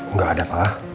nggak ada pak